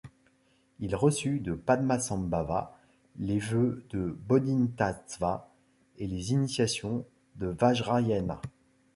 Il reçut de Padmasambhava les vœux de bodhisattva et les initiations du Vajrayana.